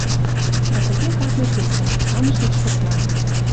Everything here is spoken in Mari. Да тыге кажне кечын, каныш деч посна.